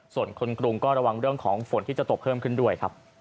ส่วนคนกรุงก็ระวังเรื่องของฝนที่จะตกเพิ่มขึ้นด้วยครับ